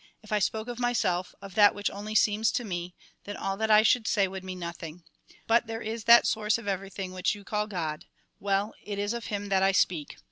If I spoke of myself, of that which only seems to me, then all that I should say would mean nothing. But there is that source of everything which you call God ; well, it is of Him that I speak.